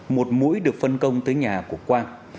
một mũi được phân công tới nhà của quang